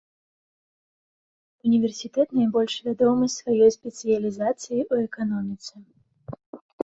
Універсітэт найбольш вядомы сваёй спецыялізацыяй у эканоміцы.